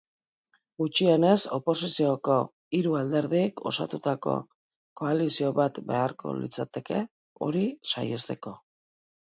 Gutxienez oposizioko hiru alderdik osatutako koalizio bat beharko litzateke hori saihesteko.